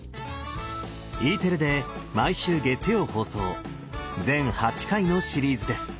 Ｅテレで毎週月曜放送全８回のシリーズです。